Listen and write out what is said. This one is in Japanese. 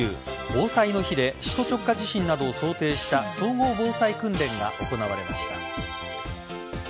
防災の日で首都直下地震などを想定した総合防災訓練が行われました。